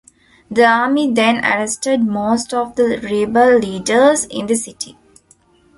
The Army then arrested most of the rebel leaders in the city.